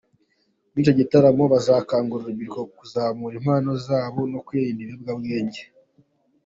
Muri icyo gitaramo ngo bazakangurira urubyiruko kuzamura impano zarwo no kwirinda ibiyobyabwenge.